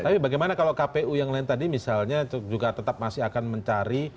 tapi bagaimana kalau kpu yang lain tadi misalnya juga tetap masih akan mencari